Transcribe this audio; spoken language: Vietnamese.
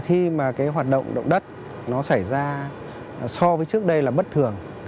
khi mà cái hoạt động động đất nó xảy ra so với trước đây là bất thường